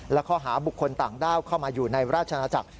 และข้อหาบุคคลต่างด้าวเข้ามาอยู่ในราชนาจักร